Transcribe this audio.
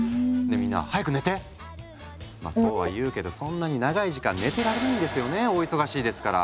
みんなまあそうは言うけどそんなに長い時間寝てられないんですよねお忙しいですから。